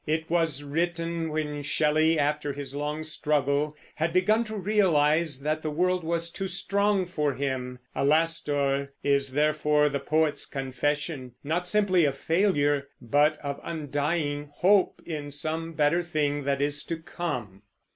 It was written when Shelley, after his long struggle, had begun to realize that the world was too strong for him. Alastor is therefore the poet's confession, not simply of failure, but of undying hope in some better thing that is to come.